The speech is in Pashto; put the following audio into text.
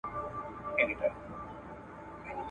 ډېوه به مو په کور کي د رقیب تر سبا نه وي ,